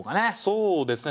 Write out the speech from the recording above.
そうですね